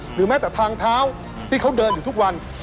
หรือแม้แต่ทางเท้าที่เขาเดินอยู่ทุกวัน